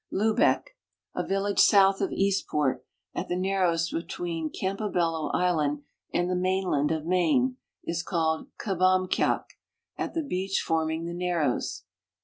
Lubec, a village south of Eastport, at the narrows between Campobello island and the mainland of Maine, is called Kebamkiak, "at the beach forming the narrows."